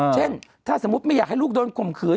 เช่นถ้าสมมุติไม่อยากให้ลูกโดนข่มขืน